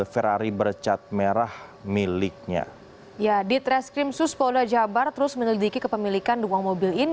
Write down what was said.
franky wijaya bandung